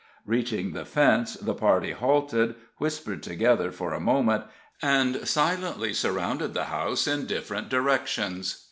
Reaching the fence, the party halted, whispered together for a moment, and silently surrounded the house in different directions.